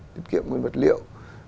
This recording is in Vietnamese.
tiết kiệm về nguyên vật liệu